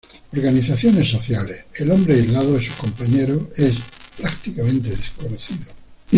Organizaciones sociales: El hombre aislado de sus compañeros, es prácticamente desconocido.